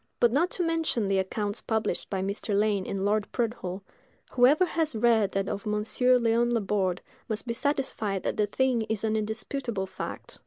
But not to mention the accounts published by Mr. Lane and Lord Prudhoe, whoever has read that of Monsieur Léon Laborde must be satisfied that the thing is an indisputable fact.